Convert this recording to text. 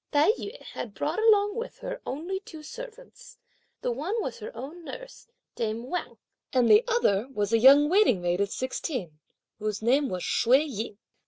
Tai yü had brought along with her only two servants; the one was her own nurse, dame Wang, and the other was a young waiting maid of sixteen, whose name was called Hsüeh Yen.